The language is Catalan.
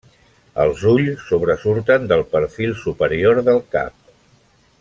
Els ulls sobresurten del perfil superior del cap.